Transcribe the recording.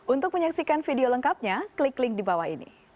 untuk menyaksikan video lengkapnya klik link di bawah ini